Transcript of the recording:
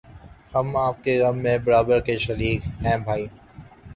ہم آپ کے غم میں برابر کے شریک ہیں بھائی